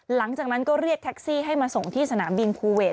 หลังจากนั้นก็เรียกแท็กซี่ให้มาส่งที่สนามบินภูเวท